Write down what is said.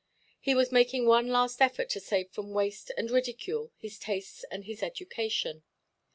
He was making one last effort to save from waste and ridicule his tastes and his education.